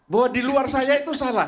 bahwa di luar saya itu salah